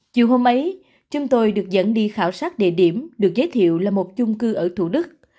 chiều hôm ấy chúng tôi được dẫn đi khảo sát địa điểm được giới thiệu là một chung cư ở thủ đức